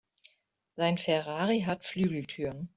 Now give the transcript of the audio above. Sein Ferrari hat Flügeltüren.